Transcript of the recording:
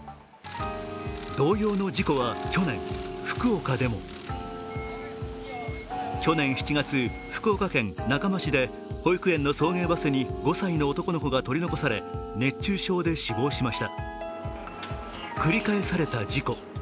同様の事故は去年福岡でも去年７月、福岡県中間市で保育園の送迎バスに５歳の男の子が取り残され、熱中症で死亡しました繰り返された事故。